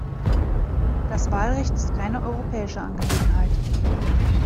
Das Wahlrecht ist keine europäische Angelegenheit.